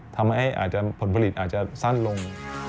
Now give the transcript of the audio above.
ทำให้ผลผลิตอาจจะสั้นลง